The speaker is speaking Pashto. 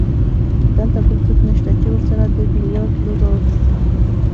دلته بل څوک نشته چې ورسره د بیلیارډ لوبه وکړي.